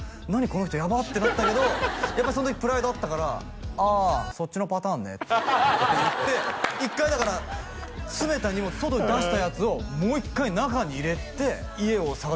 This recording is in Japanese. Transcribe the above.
この人やばっ」ってなったけどやっぱその時プライドあったから「あそっちのパターンね」って言って１回だから詰めた荷物外に出したやつをもう一回中に入れて家を探しに行ったんですよね？